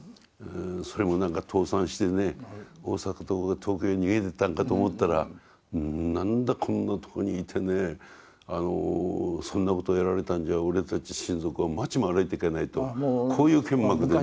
それも何か倒産してね大阪とか東京へ逃げてったんかと思ったら何だこんなとこにいてねそんなことをやられたんじゃ俺たち親族は街も歩いていけないとこういうけんまくでね。